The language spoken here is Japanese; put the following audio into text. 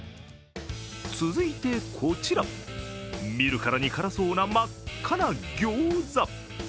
続いてこちら、見るからに辛そうな真っ赤なギョーザ。